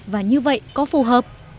và như vậy có phù hợp